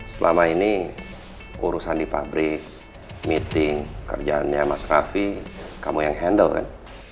selama ini urusan di pabrik meeting kerjaannya mas raffi kamu yang handle kan